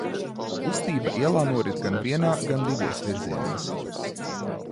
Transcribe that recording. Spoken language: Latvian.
Kustība ielā norit gan vienā, gan divos virzienos.